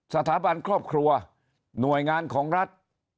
สถาบันครอบครัวหน่วยงานของรัฐ